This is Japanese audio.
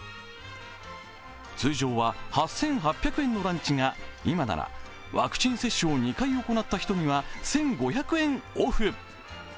通常は８８００円のランチが今なら、ワクチン接種を２回行った人には１５００円オフ。